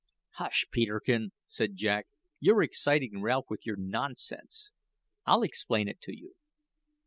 "Hush, Peterkin!" said Jack; "you're exciting Ralph with your nonsense. I'll explain it to you.